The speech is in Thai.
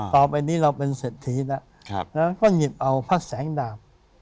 ต่อไปนี้เราเป็นเศรษฐีแล้วก็หยิบเอาพระแสงดาบ